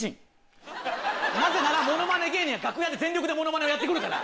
なぜならものまね芸人は楽屋で全力でものまねをやってくるから！